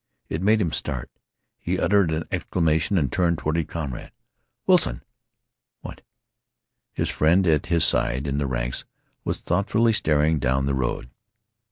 It made him start. He uttered an exclamation and turned toward his comrade. "Wilson!" "What?" His friend, at his side in the ranks, was thoughtfully staring down the road.